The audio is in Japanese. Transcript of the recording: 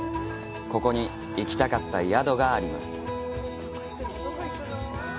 ここに、行きたかった宿があります。